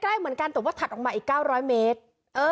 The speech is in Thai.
ใกล้เหมือนกันแต่ว่าถัดออกมาอีก๙๐๐เมตร